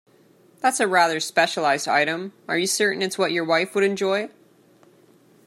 That's a rather specialised item, are you certain it's what your wife would enjoy?